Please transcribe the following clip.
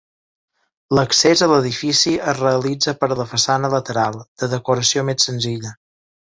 L'accés a l'edifici es realitza per la façana lateral, de decoració més senzilla.